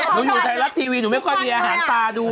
หนูอยู่ในเมื่อแล้วทีวีหนูไม่ค่อยมีอาหารตาดู